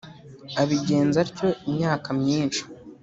abigenza atyo imyaka myinshi,